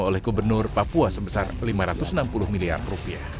oleh gubernur papua sebesar rp lima ratus enam puluh miliar